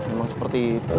emang seperti itu